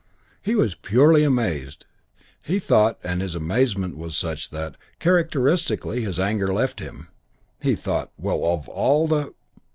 He was purely amazed. He thought, and his amazement was such that, characteristically, his anger left him; he thought, "Well, of all the